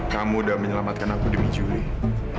kamu udah menyelamatkan aku demi julie